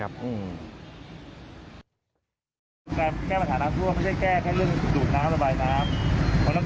เรื่องการซ่อมรถมันต้องมีคนมาดูภาพรวม